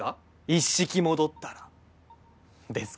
一式戻ったらですか？